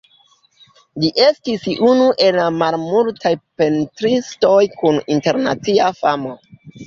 Li estis unu el la malmultaj pentristoj kun internacia famo.